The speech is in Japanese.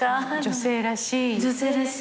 女性らしい。